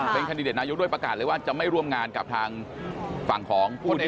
เป็นคันดิเดตนายกด้วยประกาศเลยว่าจะไม่ร่วมงานกับทางฝั่งของผู้เล่น